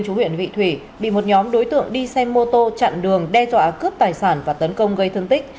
chú huyện vị thủy bị một nhóm đối tượng đi xe mô tô chặn đường đe dọa cướp tài sản và tấn công gây thương tích